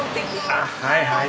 ああはいはい。